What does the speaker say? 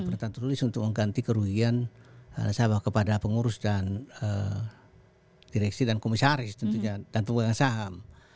pernyataan tertulis untuk mengganti kerugian nasabah kepada pengurus dan direksi dan komisaris tentunya dan pemegang saham